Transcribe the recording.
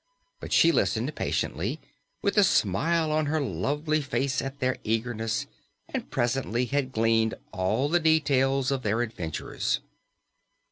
But she listened patiently, with a smile on her lovely face at their eagerness, and presently had gleaned all the details of their adventures.